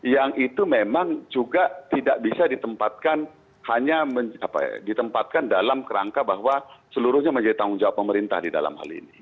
yang itu memang juga tidak bisa ditempatkan hanya ditempatkan dalam kerangka bahwa seluruhnya menjadi tanggung jawab pemerintah di dalam hal ini